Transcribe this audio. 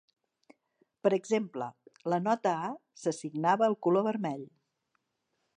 Per exemple, la nota A s'assignava al color vermell.